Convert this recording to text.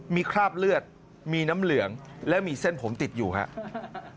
มีคราบเลือดมีน้ำเหลืองและมีเส้นผมติดอยู่ครับ